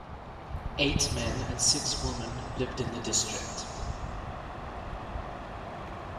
Eight men and six women lived in the district.